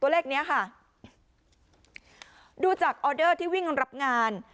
เลขเนี้ยค่ะดูจากออเดอร์ที่วิ่งรับงาน